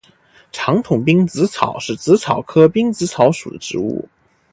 长筒滨紫草是紫草科滨紫草属的植物。